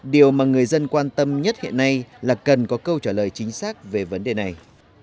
điều mà người dân quan tâm nhất hiện nay là cần có câu trả lời chính xác về vấn đề này